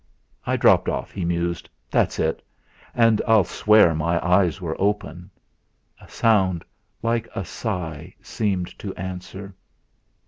'I dropped off,' he mused, 'that's it! And yet I'll swear my eyes were open!' A sound like a sigh seemed to answer.